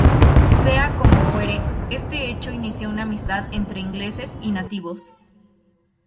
Sea como fuere, este hecho inició una amistad entre ingleses y nativos.